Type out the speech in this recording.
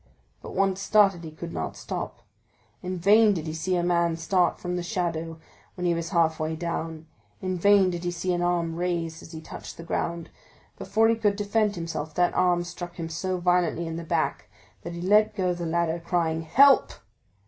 But, once started, he could not stop. In vain did he see a man start from the shadow when he was halfway down—in vain did he see an arm raised as he touched the ground. Before he could defend himself that arm struck him so violently in the back that he let go the ladder, crying, "Help!"